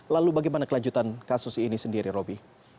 lalu bagaimana kelanjutan kasus ini sendiri roby